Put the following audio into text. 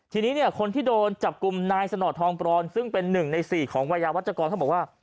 ทีนี้เนี่ยคนที่โดนจับกลุ่มนายสนอดทองปรอนซึ่งเป็น๑ใน๔ของวัยวัชกรเขาบอกว่า